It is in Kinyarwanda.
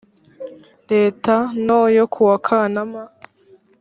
leta no yo kuwa kanama